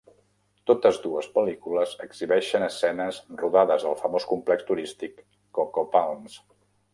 Totes dues pel·lícules exhibeixen escenes rodades al famós complex turístic Coco Palms.